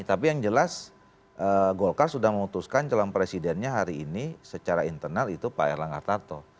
tapi yang jelas golkar sudah memutuskan calon presidennya hari ini secara internal itu pak erlangga tarto